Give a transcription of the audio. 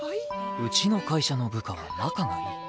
うちの会社の部下は仲がいい